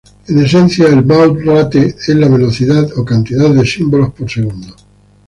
En esencia el "baud-rate" es la velocidad o cantidad de símbolos por segundo.